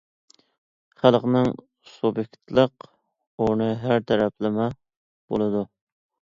خەلقنىڭ سۇبيېكتلىق ئورنى ھەر تەرەپلىمە بولىدۇ.